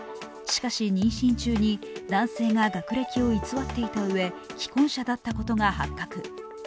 しかし妊娠中に、男性が学歴を偽っていたうえ、既婚者だったことが発覚。